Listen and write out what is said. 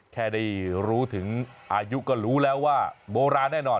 แค่ได้รู้ถึงอายุก็รู้แล้วว่าโบราณแน่นอน